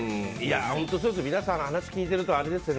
皆さん話聞いているとあれですよね。